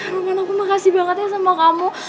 roman aku makasih banget ya sama kamu